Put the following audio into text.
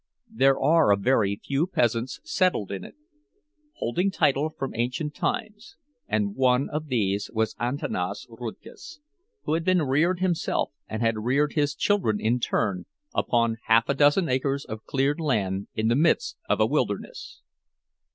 There are a very few peasants settled in it, holding title from ancient times; and one of these was Antanas Rudkus, who had been reared himself, and had reared his children in turn, upon half a dozen acres of cleared land in the midst of a wilderness.